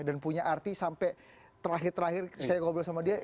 punya arti sampai terakhir terakhir saya ngobrol sama dia